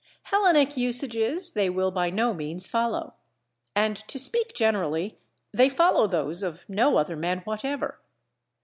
Hellenic usages they will by no means follow, and to speak generally they follow those of no other men whatever.